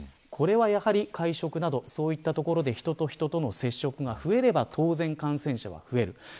これは会食などそういった所で人と人との接触が増えれば当然感染者は増える。